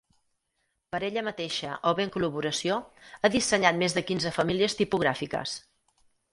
Per ella mateixa o bé en col·laboració, ha dissenyat més de quinze famílies tipogràfiques.